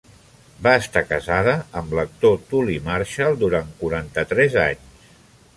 Va estar casada amb l'actor Tully Marshall durant quaranta-tres anys.